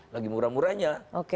lagi murah murahnya